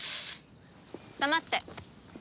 黙って。